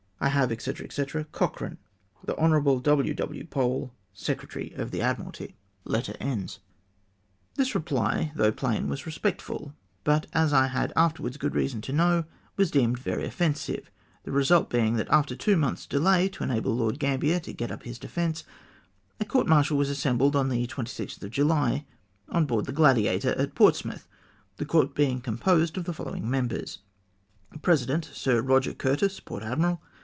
"I have, &c. &c. " COCHEANE. "The lion. W. W. Polo, Secretary to llic AJnuralty.'' COMPOSITION OF THE COUET MAETIAL. 409 This reply, tliough pLain, was respectful ; but, as I had afterwards good reason to know, was deemed very offensive ; the result being that, after two mcmth.^' delay to enable Lord Gambler to get up his defence, a court martial was assembled on the 26tli of July, on board the Gladiator, at Portsmouth, the court being composed of the following members :— President — Sir Eoger Curtis, Port Admiral.